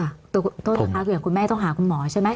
ตัวคุณโทษทีค่ะเหมือนคุณแม่ต้องหาคุณหมอใช่ไหม